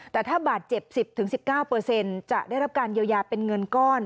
แต่ถ้าบาดเจ็บ๑๐๑๙จะได้รับการเยียวยาเป็นเงินก้อน